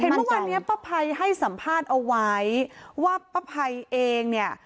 เห็นเมื่อวันนี้ป้าไพให้สัมภาษณ์เอาไว้ว่าป้าไพเองเนี่ย